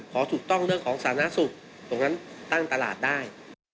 ขอถูกต้องเรื่องของสาธารณสุขตรงนั้นตั้งตลาดได้